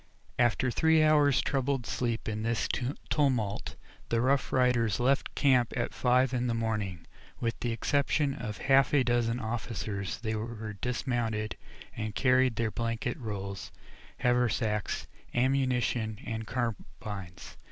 After three hours' troubled sleep in this tumult the Rough Riders left camp at five in the morning. With the exception of half a dozen officers they were dismounted, and carried their blanket rolls, haversacks, ammunition, and carbines.